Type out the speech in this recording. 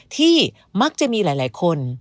ที่มักจะมีหลายคน